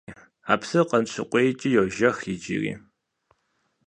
А псыр Къаншыуейкӏи йожэх иджыри.